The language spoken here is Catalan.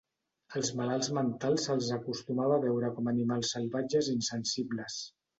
Als malalts mentals se'ls acostumava a veure com animals salvatges insensibles.